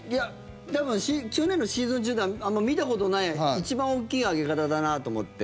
多分去年のシーズン中ではあんまり見たことない一番大きい上げ方だなと思って。